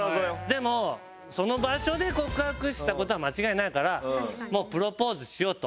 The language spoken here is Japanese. でもその場所で告白した事は間違いないからもうプロポーズしようと。